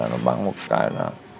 nó bắn một cái là